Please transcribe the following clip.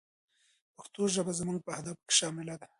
پښتو ژبه زموږ په اهدافو کې شامله ده.